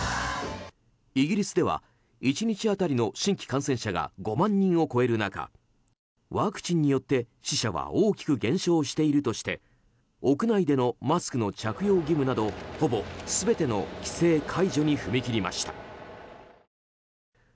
イギリスでは１日当たりの新規感染者が５万人を超える中ワクチンによって死者は大きく減少しているとして屋内でのマスクの着用義務などほぼ全ての規制解除に踏み切りました。